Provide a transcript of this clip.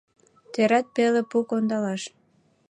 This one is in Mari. Терат пеле пу кондалаш